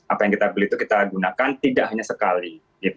apa yang kita beli itu kita gunakan tidak hanya sekali